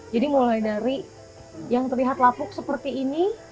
jadi mulai dari yang terlihat lapuk seperti ini